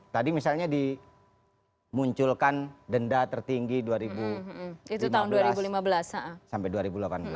tadi misalnya dimunculkan denda tertinggi dua ribu enam belas sampai dua ribu delapan belas